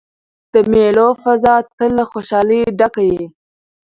د مېلو فضا تل له خوشحالۍ ډکه يي.